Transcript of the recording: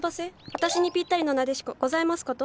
私にぴったりのナデシコございますこと？